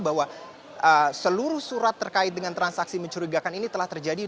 bahwa seluruh surat terkait dengan transaksi mencurigakan ini telah terjadi